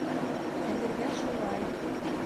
Хәҙергә шулай.